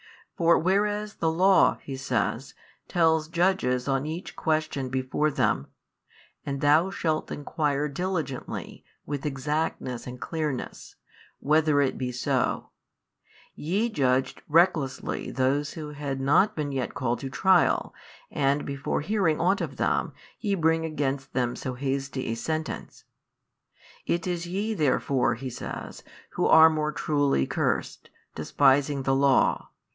For whereas the Law (he says) tells judges on each question before them, And thou shalt enquire diligently with exactness and clearness, whether it be so; ye judged recklessly those who had not been yet called to trial, and before hearing ought of them, ye bring against them so hasty a sentence. It is YE therefore (he says) who are more truly cursed, despising the Law.